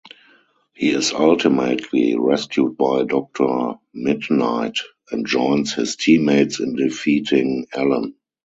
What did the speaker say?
He is ultimately rescued by Doctor Mid-Nite and joins his teammates in defeating Alan.